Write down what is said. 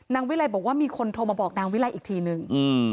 วิลัยบอกว่ามีคนโทรมาบอกนางวิลัยอีกทีนึง